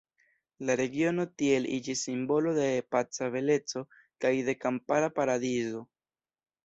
La regiono tiel iĝis simbolo de paca beleco kaj de kampara paradizo.